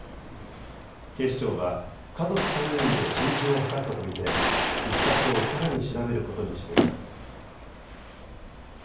警視庁は、家族３人で心中を図ったと見て、いきさつをさらに調べることにしています。